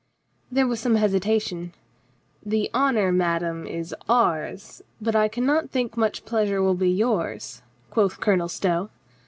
There was some hesitation. "The honor, mad ame, is ours. But I can not think much pleasure will be yours," quoth Colonel Stow.